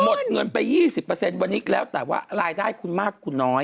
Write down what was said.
หมดเงินไป๒๐วันนี้แล้วแต่ว่ารายได้คุณมากคุณน้อย